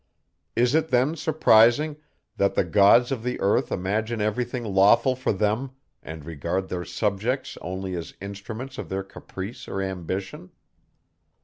Is it then surprising, that the gods of the earth imagine every thing lawful for them, and regard their subjects only as instruments of their caprice or ambition?